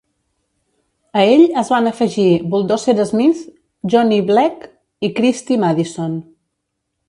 A ell es van afegir Bulldozer Smith, Johnny Blake i Christie Madison.